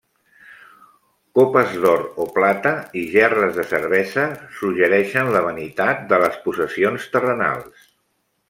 Copes d'or o plat i gerres de cervesa suggereixen la vanitat de les possessions terrenals.